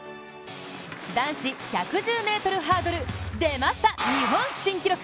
男子１１０ｍハードル、出ました日本新記録！